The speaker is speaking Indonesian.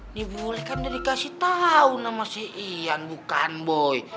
ini boleh kan dikasih tau nama saya ian bukan boy